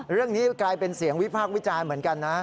เรื่องนี้กลายเป็นเสียงวิพากษ์วิจารณ์เหมือนกันนะ